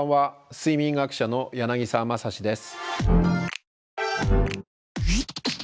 睡眠学者の柳沢正史です。